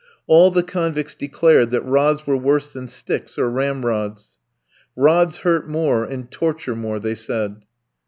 All the convicts declared that rods were worse than sticks or ramrods. "Rods hurt more and torture more!" they said.